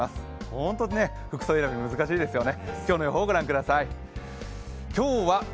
本当に服装選び、難しいですよね。